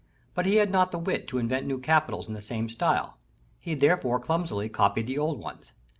But he had not the wit to invent new capitals in the same style; he therefore clumsily copied the old ones.